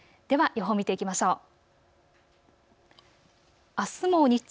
では予報を見ていきましょう。